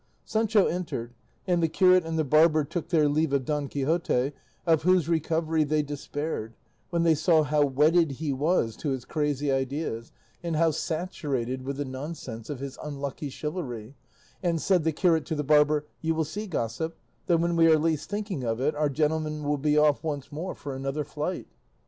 Sancho entered, and the curate and the barber took their leave of Don Quixote, of whose recovery they despaired when they saw how wedded he was to his crazy ideas, and how saturated with the nonsense of his unlucky chivalry; and said the curate to the barber, "You will see, gossip, that when we are least thinking of it, our gentleman will be off once more for another flight."